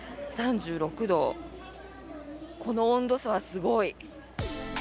３６度、この温度差はすごい。